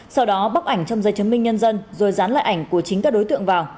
sau đó bóc ảnh trong dây chứng minh nhân dân rồi dán lại ảnh của chính các đối tượng vào